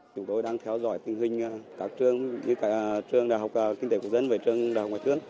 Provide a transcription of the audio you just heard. chúng tôi đang theo dõi tình hình các trường như trường đại học kinh tế quốc dân và trường đại học ngoại thướng